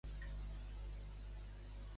Què ha fet la Junta Electoral espanyola?